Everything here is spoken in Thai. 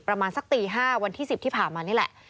ประมาณสักตี๕วันที่๑๐ที่ผ่านมานี่แหละ